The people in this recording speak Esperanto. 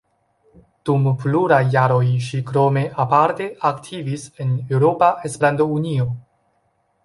Dum pluraj jaroj ŝi krome aparte aktivis en Eŭropa Esperanto-Unio.